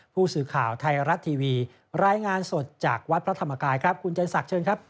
ผู้สื่อข่าวไทยรัฐทีวีรายงานสดจากวัดพระธรรมกายครับคุณเจนศักดิ์เชิญครับ